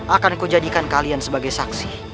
akan kujadikan kalian sebagai saksi